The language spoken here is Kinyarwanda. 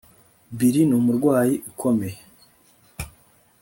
Bill numurwanyi ukomeye